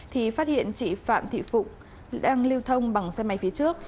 thì phát hiện chị phạm thị phụng đang lưu thông bằng xe máy phía trước